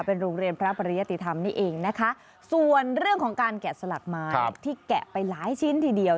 เป็นโรงเรียนพระปริยติธรรมนี่เองนะคะส่วนเรื่องของการแกะสลักไม้ที่แกะไปหลายชิ้นทีเดียว